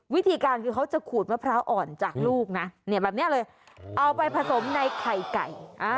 วิธีการคือเขาจะขูดมะพร้าวอ่อนจากลูกเอาไปผสมในไข่ไก่